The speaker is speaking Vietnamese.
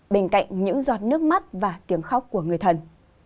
bên cạnh những giọt nước mắt và tiếng khóc của người thân